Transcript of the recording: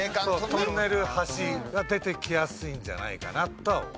トンネル橋が出てきやすいんじゃないかなとは思う。